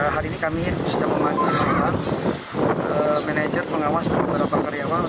hari ini kami sudah memanggil manajer pengawas terhadap para karyawan